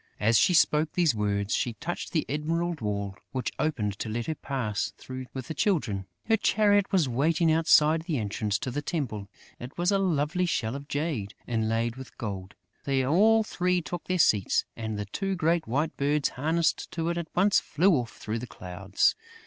As she spoke these words, she touched the emerald wall, which opened to let her pass through with the Children. Her chariot was waiting outside the entrance to the temple. It was a lovely shell of jade, inlaid with gold. They all three took their seats; and the two great white birds harnessed to it at once flew off through the clouds.